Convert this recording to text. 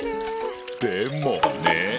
でもね。